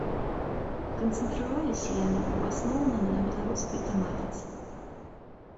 Канцэнтраваліся яны ў асноўным на беларускай тэматыцы.